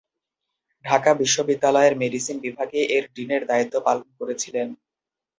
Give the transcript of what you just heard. ঢাকা বিশ্ববিদ্যালয়ের মেডিসিন বিভাগে এর ডিনের দায়িত্ব পালন করেছিলেন।